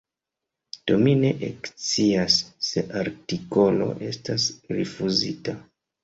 Do mi ne ekscias, se artikolo estas rifuzita.